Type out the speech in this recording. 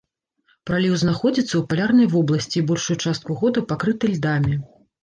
Праліў знаходзіцца ў палярнай вобласці і большую частку года пакрыты льдамі.